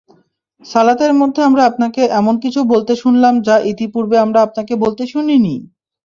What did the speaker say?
সালাতের মধ্যে আমরা আপনাকে এমন কিছু বলতে শুনলাম যা ইতিপূর্বে আমরা আপনাকে বলতে শুনিনি!